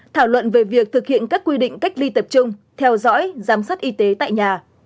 thảo luận về việc thực hiện các quy định cách ly tập trung theo dõi giám sát y tế tại nhà